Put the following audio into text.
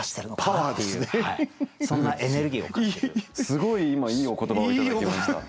すごい今いいお言葉を頂きました。